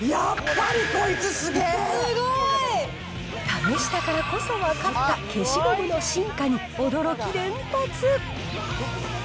すごい！試したからこそ分かった消しゴムの進化に驚き連発。